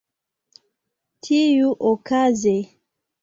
tiuokaze